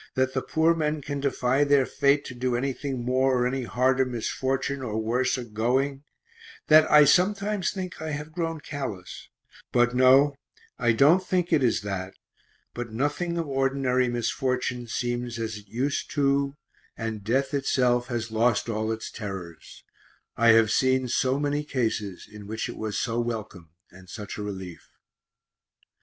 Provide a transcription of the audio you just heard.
that the poor men can defy their fate to do anything more or any harder misfortune or worse a going) that I sometimes think I have grown callous but no, I don't think it is that, but nothing of ordinary misfortune seems as it used to, and death itself has lost all its terrors I have seen so many cases in which it was so welcome and such a relief.